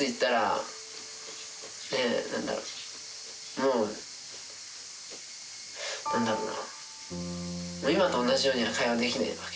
もう。何だろうな。